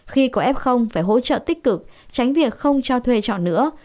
khi có f phải hỗ trợ tích cực tránh việc không cho thuê trọ nữa